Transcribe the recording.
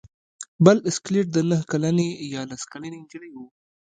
بل سکلیټ د نهه کلنې یا لس کلنې نجلۍ و.